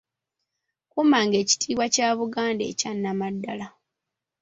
Kuumanga ekitiibwa kya Buganda ekya nnamaddala.